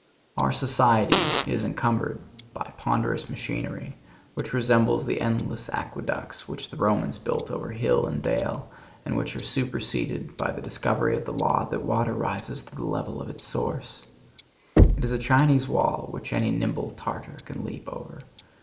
Our society is encumbered by ponderous machinery, which resembles the endless aqueducts which the Romans built over hill and dale and which are superseded by the discovery of the law that water rises to the level of its source. It is a Chinese wall which any nimble Tartar can leap over.